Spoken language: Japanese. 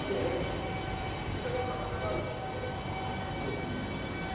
そう、ひどいもんですよ。